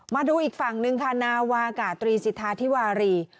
มาดูอีกฝั่งหนึ่งค่ะนาวากาตรีสิทธาธิวารี